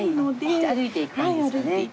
じゃあ歩いていく感じですよね。